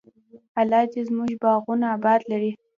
الله دې زموږ باغونه اباد لري.